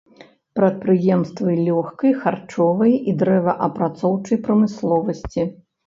Прадпрыемствы лёгкай, харчовай і дрэваапрацоўчай прамысловасці.